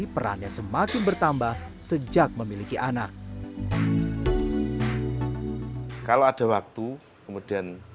perannya semakin bertambah sejak memiliki anak kalau ada waktu kemudian